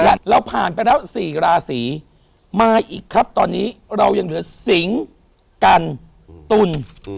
และเราผ่านไปแล้ว๔ราศีมาอีกครับตอนนี้เรายังเหลือสิงกันตุล